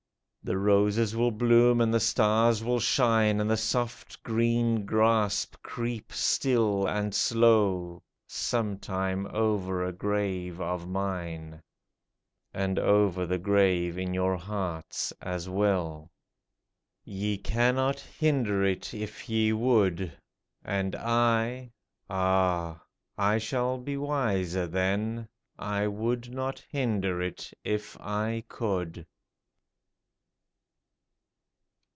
The roses will bloom, and the stars will shine, And the soft green grass creep still and slow, Sometime over a grave of mine — And over the grave in your hearts as well ! Ye cannot hinder it if ye would ; And I — ah ! I shall be wiser then — I would not hinder it if I could